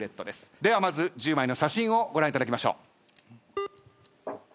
ではまず１０枚の写真をご覧いただきましょう。